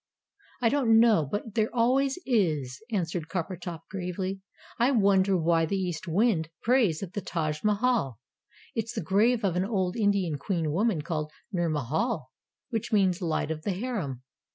"I don't know, but there always is," answered Coppertop gravely. "I wonder why the East Wind prays at the Taj Mahal? It's the grave of an old Indian Queen woman called Nur Mahal which means Light of the Harem.